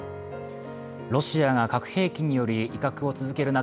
ロシアが核兵器による威嚇を続ける中